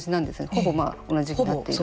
ほぼ同じになっている。